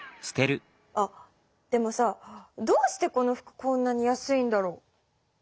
あっでもさどうしてこの服こんなに安いんだろ？